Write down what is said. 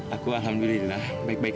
aku alhamdulillah aku baik